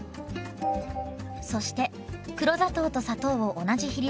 そして黒砂糖と砂糖を同じ比率で加えます。